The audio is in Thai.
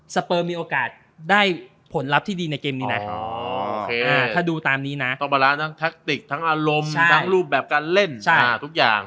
เปอร์มีโอกาสได้ผลลัพธ์ที่ดีในเกมนี้นะถ้าดูตามนี้นะก็บาราทั้งแทคติกทั้งอารมณ์ทั้งรูปแบบการเล่นทุกอย่าง